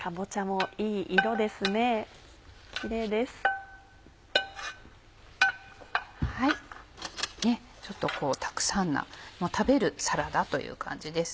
はいちょっとこうたくさんな食べるサラダという感じですね。